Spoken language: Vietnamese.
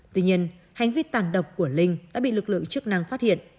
tuy nhiên hành vi tàn độc của linh đã bị lực lượng chức năng phát hiện